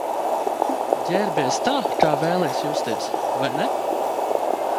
Ģērbies tā, kā vēlies justies, vai ne?